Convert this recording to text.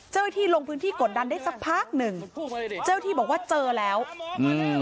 เจ้าหน้าที่ลงพื้นที่กดดันได้สักพักหนึ่งเจ้าที่บอกว่าเจอแล้วอืม